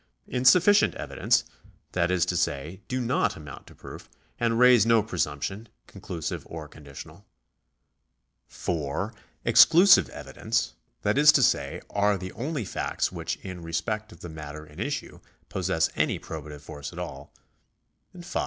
Insufficient evidence — that is to say, do not amount to proof, and raise no presumption, conclusive or con ditional ; 4. Exclusive evidence — that is to say, are the only facts § 174] THE LAW OF PROCEDURE 445 which in respect of the matter in issue possess any probative force at all ; 5.